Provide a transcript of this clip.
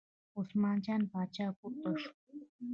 عثمان جان پاچا پورته شو.